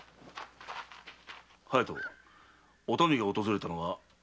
隼人おたみが訪れたのは浄光院か？